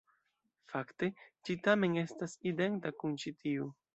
Fakte ĝi tamen estas identa kun ĉi tiu.